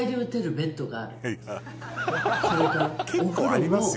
結構ありますよ